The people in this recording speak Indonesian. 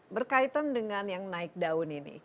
berkaitan dengan yang naik daun ini